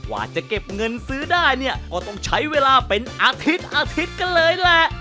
ว่าจะเก็บเงินซื้อได้เนี่ยก็ต้องใช้เวลาเป็นอาทิตย์อาทิตย์กันเลยแหละ